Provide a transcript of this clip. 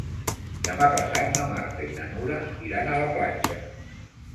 Demà passat na Marta i na Nura iran a la platja.